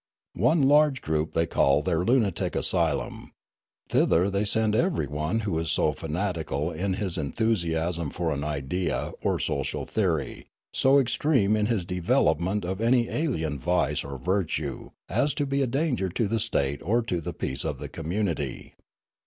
One large group they call their lunatic asylum ; thither they send everyone who is so fanatical in his enthusiasm for an idea or social theory, so extreme in his development of any alien vice or virtue as to be a danger to the state or to the peace of the community.